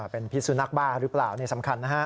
เป็นพิษสุนักบ้าหรือเปล่านี่สำคัญนะฮะ